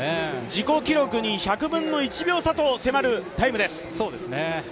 自己記録に１００分の１秒差と迫るタイムです。